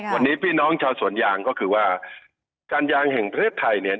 วันนี้พี่น้องชาวสวนยางก็คือว่าการยางแห่งประเทศไทยเนี่ย